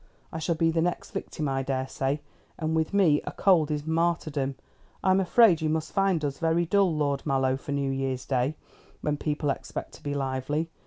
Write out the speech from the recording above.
I shall be the next victim, I daresay; and with me a cold is martyrdom. I'm afraid you must find us very dull, Lord Mallow, for New Year's Day, when people expect to be lively.